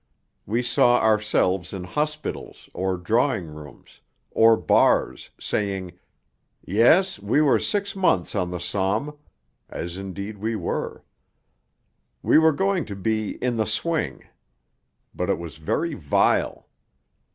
We saw ourselves in hospitals, or drawing rooms, or bars, saying, 'Yes, we were six months on the Somme' (as indeed we were); we were going to be 'in the swing.' But it was very vile.